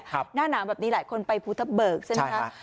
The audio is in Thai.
หน้าน้ำแบบนี้หลายคนไปพุทธเบิกใช่ไหมครับ